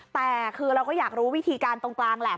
แต่คือเราก็อยากรู้วิธีการตรงกลางแหละ